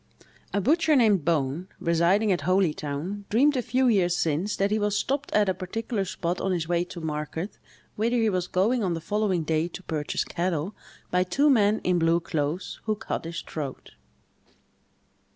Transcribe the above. A butcher named Bone, residing at Holytown, dreamed a few years since that he was stopped at a particular spot on his way to market, whither he was going on the following day to purchase cattle, by two men in blue clothes, who cut his throat.